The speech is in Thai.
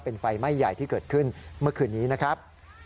เป็นไฟไหม้ใหญ่ที่เกิดขึ้นเมื่อคืนนี้นะครับ